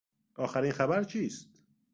آخرین خبر چیست؟